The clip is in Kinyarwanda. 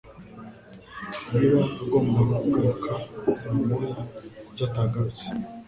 Niba agomba kugaruka saa moya, kuki atagarutse?